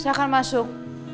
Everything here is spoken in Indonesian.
saya akan masuk